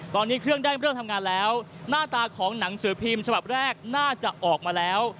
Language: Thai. ตอนนี้เครื่องได้เริ่มทำงานแล้วหน้าตาของหนังสือพิมพ์ฉบับแรกน่าจะออกมาแล้ว